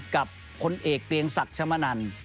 กับคุณเอเหกเปลี่ยงสัตว์ชมนร